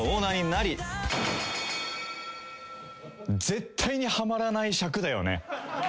絶対にはまらない尺だよね。